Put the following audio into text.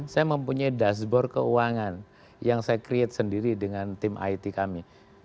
saya mempunyai dashboard keuangan yang saya create sendiri dengan tim it kami